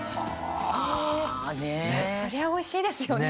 そりゃおいしいですよね。